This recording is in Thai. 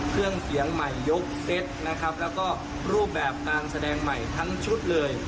เครื่องเสียงใหม่ยกเซ็ตนะครับแล้วก็รูปแบบการแสดงใหม่ทั้งชุดเลย